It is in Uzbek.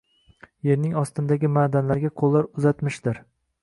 Yerning ostindagi madanlarga qoʻllar uzatmishdir